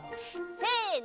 せの！